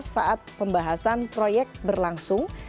saat pembahasan proyek berlangsung